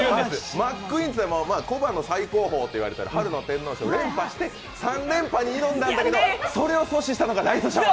マックイーンは古馬の最高峰と言われてる春の天皇賞連覇して、３連覇に挑んだんだけどそれを阻止したのがライスシャワー。